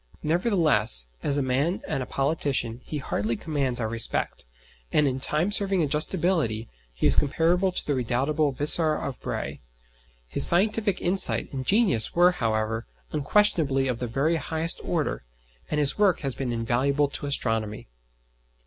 Nevertheless, as a man and a politician he hardly commands our respect, and in time serving adjustability he is comparable to the redoubtable Vicar of Bray. His scientific insight and genius were however unquestionably of the very highest order, and his work has been invaluable to astronomy.